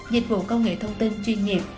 dịch vụ công nghệ thông tin chuyên nghiệp